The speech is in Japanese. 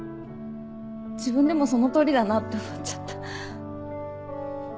自分でもその通りだなって思っちゃった。